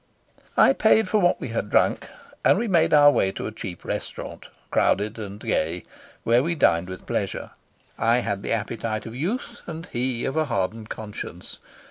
I paid for what we had drunk, and we made our way to a cheap restaurant, crowded and gay, where we dined with pleasure. I had the appetite of youth and he of a hardened conscience.